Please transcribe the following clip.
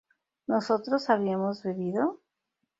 ¿nosotros habíamos bebido?